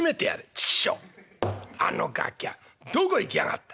「ちきしょうあのガキャどこへ行きやがった。